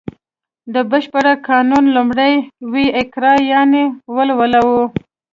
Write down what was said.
د بشپړ قانون لومړی ویی اقرا یانې ولوله و